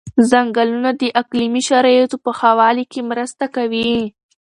ځنګلونه د اقلیمي شرایطو په ښه والي کې مرسته کوي.